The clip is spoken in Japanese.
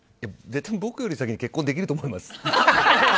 絶対、僕よりも先に結婚できると思います。